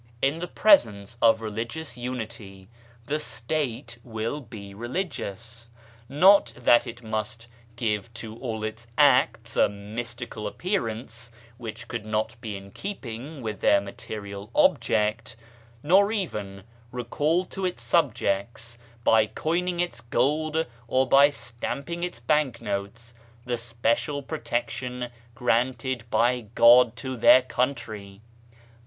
In the presence of religious unity, the State will be religious ; not that it must give to all its acts a mystical appearance, which could not be in keeping with their material object, nor even recall to its subjects — by coining its gold or by stamping its banknotes — the special protection granted byGod to their country.